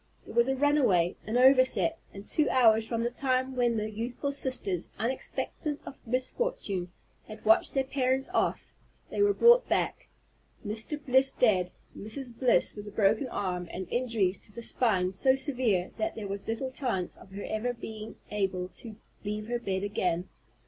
There was a runaway, an overset, and two hours from the time when the youthful sisters, unexpectant of misfortune, had watched their parents off, they were brought back, Mr. Bliss dead, Mrs. Bliss with a broken arm, and injuries to the spine so severe that there was little chance of her ever being able to leave her bed again.